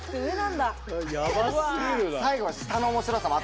やばすぎるな。